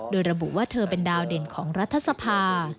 โดยระบุว่าเธอเป็นดาวเด่นของรัฐสภา